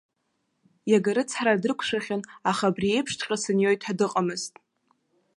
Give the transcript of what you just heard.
Иага рыцҳара дрықәшәахьан, аха абри еиԥшҵәҟьа саниоит ҳәа дыҟамызт.